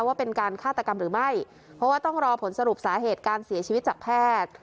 ว่าเป็นการฆาตกรรมหรือไม่เพราะว่าต้องรอผลสรุปสาเหตุการเสียชีวิตจากแพทย์